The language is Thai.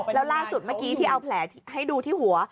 แล้วล่าสุดเมื่อกี้ที่เอาแผลให้ดูที่หัว